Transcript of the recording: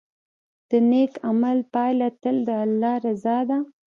د نیک عمل پایله تل د الله رضا ده.